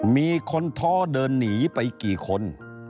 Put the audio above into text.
มีคนท้อเดินหนีไปกี่คน